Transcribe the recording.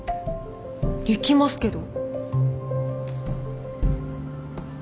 行きますけど。